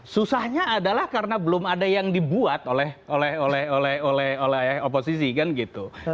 susahnya adalah karena belum ada yang dibuat oleh oposisi kan gitu